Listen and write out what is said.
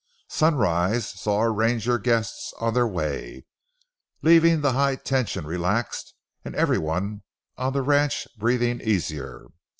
Sunrise saw our ranger guests on their way, leaving the high tension relaxed and every one on the ranch breathing easier.